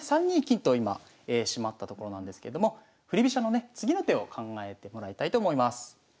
３二金と今締まったところなんですけれども振り飛車のね次の手を考えてもらいたいと思います。